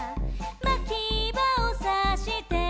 「まきばをさして」